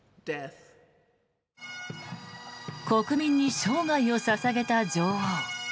国民に生涯を捧げた女王。